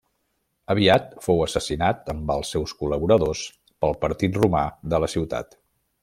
Aviat fou assassinat amb els seus col·laboradors, pel partit romà de la ciutat.